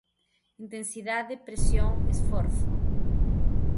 Intensidade, presión, esforzo.